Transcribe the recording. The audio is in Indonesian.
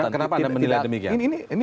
kenapa anda menilai demikian ini